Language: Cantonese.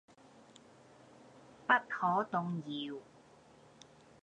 不可動搖